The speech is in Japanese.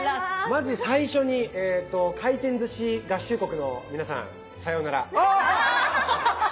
まず最初に回転ずし合衆国の皆さんさようなら。